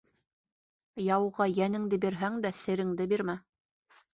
Яуға йәнеңде бирһәң дә, сереңде бирмә.